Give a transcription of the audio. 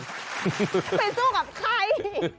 ไปสู้กับใคร